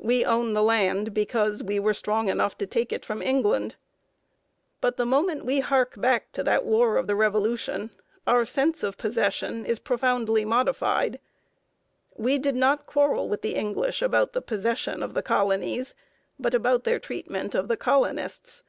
We own the land because we were strong enough to take it from England. But the moment we hark back to the War of the Revolution, our sense of possession is profoundly modified. We did not quarrel with the English about the possession of the colonies, but about their treatment of the colonists.